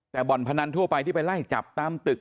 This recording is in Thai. แต่บ่อนพนันทั่วไปที่ไปไล่จับตามตึก